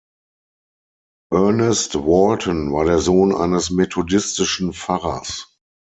Ernest Walton war der Sohn eines methodistischen Pfarrers.